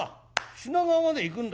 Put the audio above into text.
品川まで行くんだ。